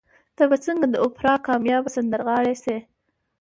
ته به څنګه د اوپرا کاميابه سندرغاړې شې؟